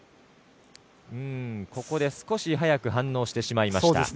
少し早く反応してしまいました。